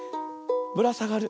ぶらさがる。